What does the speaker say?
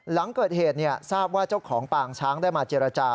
หลังเกิดเหตุทราบว่าเจ้าของปางช้างได้มาเจรจา